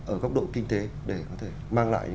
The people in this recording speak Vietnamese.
ở góc độ kinh tế để có thể mang lại